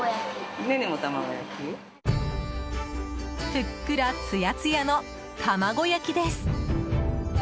ふっくらつやつやの卵焼きです。